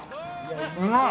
うまい！